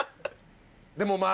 でもまぁ。